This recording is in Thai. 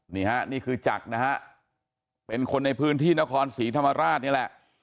นี่ฮะนี่คือจักรนะฮะเป็นคนในพื้นที่นครศรีธรรมราชนี่แหละ